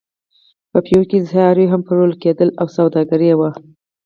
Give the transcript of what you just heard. په پېوه کې څاروي هم پلورل کېدل او سوداګري وه.